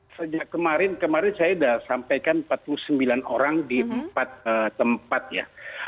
sejak kemarin kemarin saya sudah sampaikan empat puluh sembilan orang di empat tempat ya